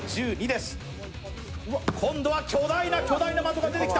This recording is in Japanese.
今度は巨大な巨大な的が出てきた。